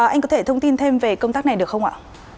anh có thể thông tin thêm về công tác này được không ạ